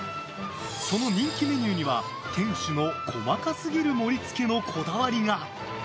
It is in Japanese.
その人気メニューには、店主の細かすぎる盛り付けのこだわりが。